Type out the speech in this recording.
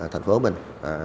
thành phố mình